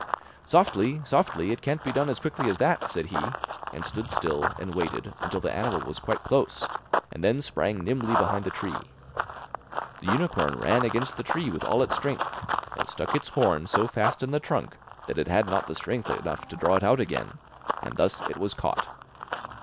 'Softly, softly; it can't be done as quickly as that,' said he, and stood still and waited until the animal was quite close, and then sprang nimbly behind the tree. The unicorn ran against the tree with all its strength, and stuck its horn so fast in the trunk that it had not the strength enough to draw it out again, and thus it was caught.